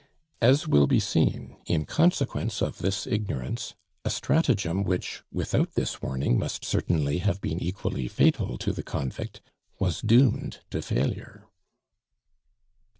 As will be seen, in consequence of this ignorance, a stratagem which, without this warning, must certainly have been equally fatal to the convict, was doomed to failure.